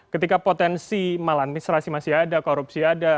ketika potensi malam misal masih ada korupsi ada